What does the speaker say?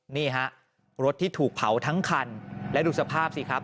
นี่ฮะรถที่ถูกเผาทั้งคันและดูสภาพสิครับ